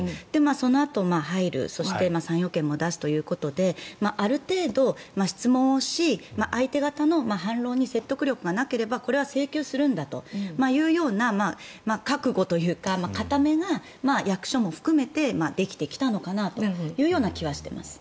そのあとに、入るそして３要件も出すということである程度、質問をし相手方の反論に説得力がなければこれは請求するんだというような覚悟というか固めが役所も含めてできてきたのかなという気はしています。